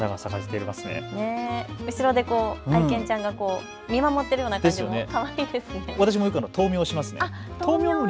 後ろで愛犬ちゃんが見守っているような感じでかわいいですね。